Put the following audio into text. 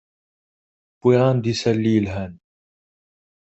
Wwiɣ-am-d isalli yelhan.